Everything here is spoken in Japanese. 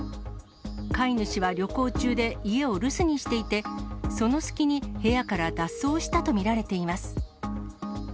飼い主は旅行中で、家を留守にしていて、その隙に部屋から脱走したと見られています。